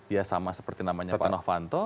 ya sama seperti namanya pak noh fanto